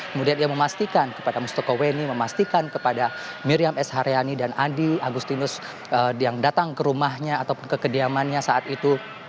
kemudian dia memastikan kepada mustokoweni memastikan kepada miriam s haryani dan andi agustinus yang datang ke rumahnya atau kekediamannya saat itu